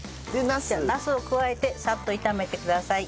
なすを加えてサッと炒めてください。